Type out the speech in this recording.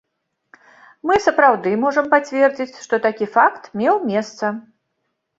Мы сапраўды можам пацвердзіць, што такі факт меў месца.